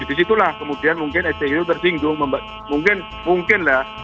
jadi disitulah kemudian mungkin sti itu tersinggung mungkin mungkin lah